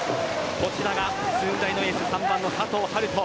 こちらが駿台のエース３番の佐藤遥斗。